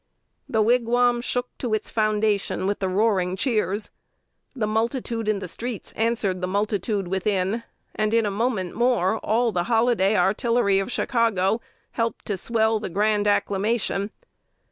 The Wigwam shook to its foundation with the roaring cheers. The multitude in the streets answered the multitude within, and in a moment more all the holiday artillery of Chicago helped to swell the grand acclamation.